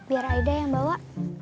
biar aida yang bawa